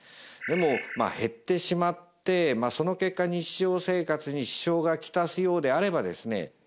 でも減ってしまってその結果日常生活に支障がきたすようであればですね